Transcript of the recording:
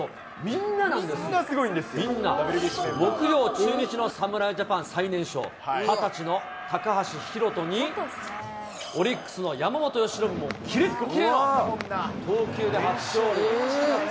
中日の侍ジャパン最年少、２０歳の高橋宏斗に、オリックスの山本由伸もキレッキレの投球で初勝利。